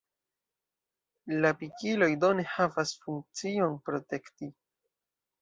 La pikiloj do ne havas funkcion protekti.